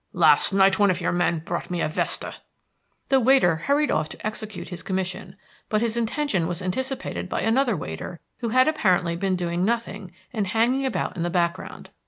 Last night one of your men brought me a vesta." The waiter hurried off to execute his commission, but his intention was anticipated by another waiter who had apparently been doing nothing and hanging about in the background.